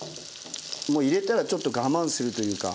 もう入れたらちょっと我慢するというか。